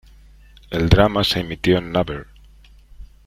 El drama se emitió en Naver.